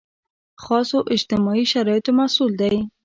خاصو اجتماعي شرایطو محصول دی.